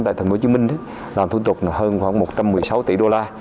tại thành phố hồ chí minh làm thu tục hơn khoảng một trăm một mươi sáu tỷ đô la